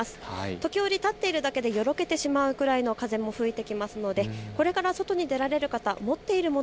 時折立っているだけでよろけてしまうくらいの風も吹いてきますのでこれから外に出られる方、持っているもの